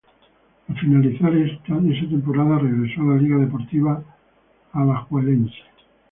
Al finalizar esa temporada regresó a la Liga Deportiva Alajuelense.